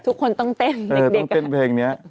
ทุกคนต้องเต้นเด็กเต้นเพลงนี้